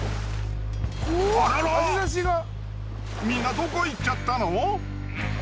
みんなどこ行っちゃったの？